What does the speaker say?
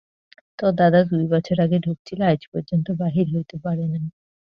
তোর দাদা দুই বছর আগে ঢুকছিল, আইজ পর্যন্ত বাহির হইতে পারে নাই।